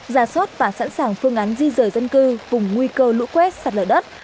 giả sốt và sẵn sàng phương án di rời dân cư vùng nguy cơ lũ quét sạt lở đất